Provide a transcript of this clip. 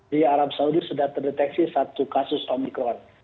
di arab saudi sudah terdeteksi satu kasus omikron